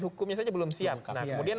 hukumnya saja belum siap karena kemudian